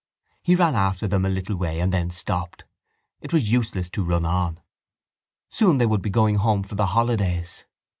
He ran after them a little way and then stopped. It was useless to run on. Soon they would be going home for the holidays.